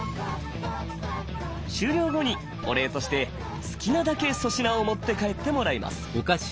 終了後にお礼として好きなだけ粗品を持って帰ってもらいます。